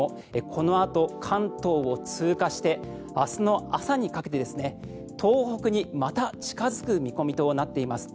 このあと、関東を通過して明日の朝にかけて東北にまた近付く見込みとなっています。